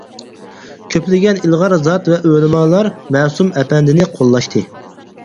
كۆپلىگەن ئىلغار زات ۋە ئۆلىمالار مەسۇم ئەپەندىنى قوللاشتى.